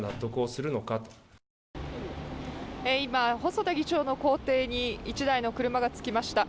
細田議長の公邸に１台の車が着きました。